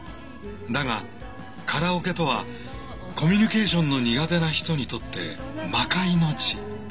だがカラオケとはコミュニケーションの苦手な人にとって魔界の地。